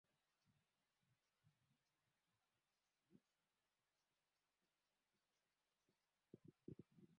Abhakerobha Wakiroba Abhakabhwa Wakabwa Abhasimbete Wasimbiti